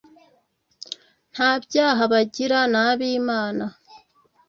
nta byaha bagira; n' ab'imana